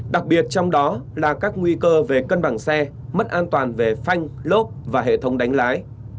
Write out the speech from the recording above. đặc biệt trong đó là các nguy cơ về cân bằng xe mất an toàn về phanh lốp và hệ thống đánh lái